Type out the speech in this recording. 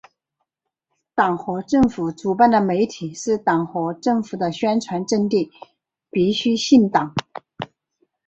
党和政府主办的媒体是党和政府的宣传阵地，必须姓党。